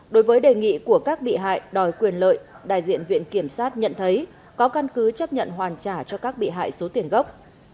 đối với đề nghị của các bị hại đòi quyền lợi đại diện viện kiểm sát nhận thấy có căn cứ chấp nhận hoàn trả cho các bị hại số tiền gốc